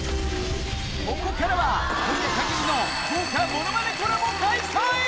ここからは今夜限りの豪華ものまねコラボ開催！